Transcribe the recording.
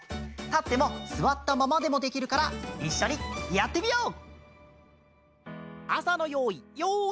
たってもすわったままでもできるからいっしょにやってみよう！